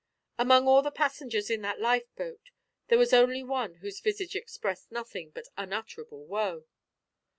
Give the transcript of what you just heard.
Among all the passengers in that lifeboat there was only one whose visage expressed nothing but unutterable woe.